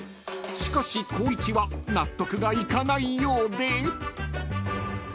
［しかし光一は納得がいかないようで］